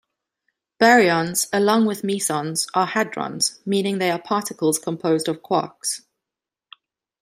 Baryons, along with mesons, are hadrons, meaning they are particles composed of quarks.